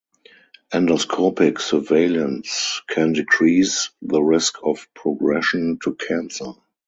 Endoscopic surveillance can decrease the risk of progression to cancer.